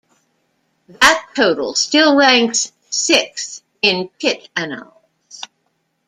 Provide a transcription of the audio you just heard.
That total still ranks sixth in Pitt annals.